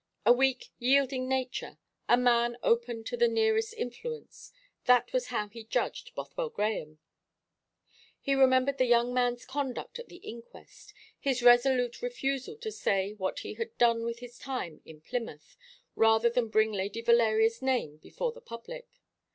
A weak, yielding nature, a man open to the nearest influence. That was how he judged Bothwell Grahame. He remembered the young man's conduct at the inquest, his resolute refusal to say what he had done with his time in Plymouth, rather than bring Lady Valeria's name before the public.